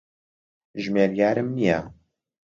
ژمێریارم نییە.